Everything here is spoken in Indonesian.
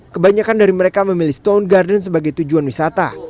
kebanyakan dari mereka memilih stone garden sebagai tujuan wisata